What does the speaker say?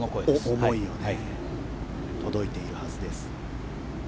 思いは届いているはずです。